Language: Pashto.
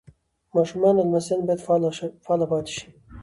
ماشومان او لمسیان باید فعاله پاتې شي.